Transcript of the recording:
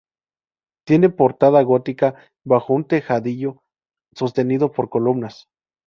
Tiene portada gótica bajo un tejadillo sostenido por columnas.